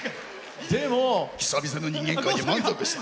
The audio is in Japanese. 久々の人間界で満足した。